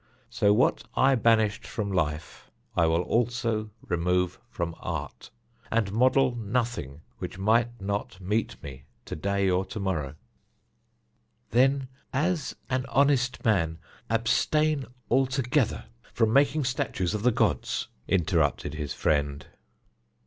So what I banished from life I will also remove from art, and model nothing which might not meet me to day or to morrow." "Then, as an honest man, abstain altogether from making statues of the gods," interrupted his friend.